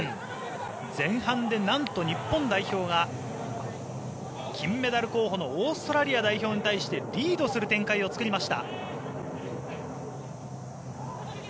前半でなんと日本代表が金メダル候補のオーストラリア代表に対してリードする展開を作りました。